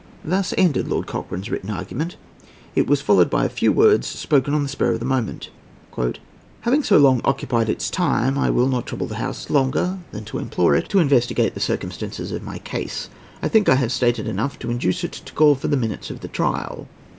Thus ended Lord Cochrane's written argument. It was followed by, a few words spoken on the spur of the moment: "Having so long occupied its time, I will not trouble the House longer than to implore it to investigate the circumstances of my case. I think I have stated enough to induce it to call for the minutes of the trial.